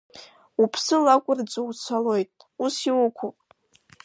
Уԥсы лықәырӡуа уцалоит, ус иуқәуп.